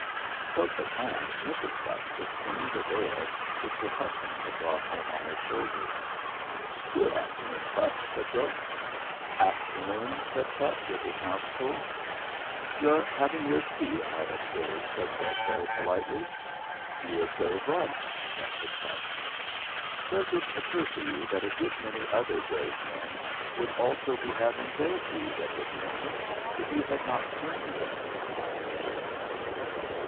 Close at hand Mrs. Phutt was skinning the bear which her hus band had brought home on his shoulders. "Good afternoon, Phutt," said Brok. "Afternoon," said Phutt, with his mouth full. 46 THE FLINT HEART "You're having your tea, I observe," said Brok very politely. "You observe right," answered Phutt. "Does it occur to you that a good many other brave men would also be having their teas at this moment if you had not slain them ?" asked the chief.